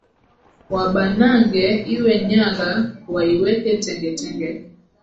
Wabanange iwe nyagha, waiweke tengetenge,